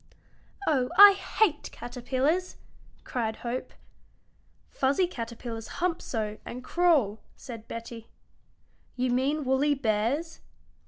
"Oh, I hate caterpillars!" cried Hope. "Fuzzy caterpillars hump so and crawl," said Betty. "You mean woolly bears?"